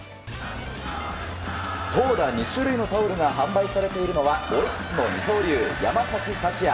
投打２種類のタオルが販売されているのはオリックスの二刀流、山崎福也。